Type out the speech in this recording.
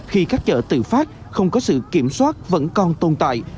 khi các chợ tự phát không có sự kiểm soát vẫn còn tồn tại